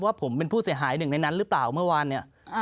ว่าผมเป็นผู้เสียหายหนึ่งในนั้นหรือเปล่าเมื่อวานเนี่ย